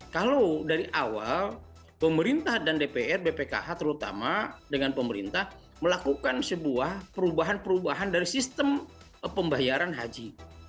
kalau dari awal pemerintah dan dpr bpkh terutama dengan pemerintah melakukan sebuah perubahan perubahan dari sistem pembayaran haji